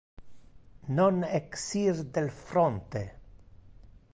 Non exir del fronte.